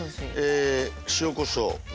塩・こしょう。